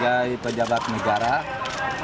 yaitu menjaga kekayaan kekayaan